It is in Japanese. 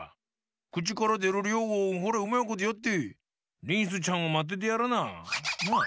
くちからでるりょうをホレうまいことやってリンスちゃんをまっててやらな。なあ！